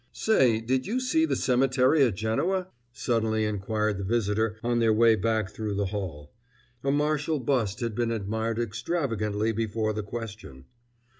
"Say, did you see the cemetery at Genoa?" suddenly inquired the visitor on their way back through the hall. A martial bust had been admired extravagantly before the question.